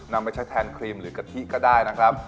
นำไปใช้แทนครีมหรือกะทิก็ได้นะครับ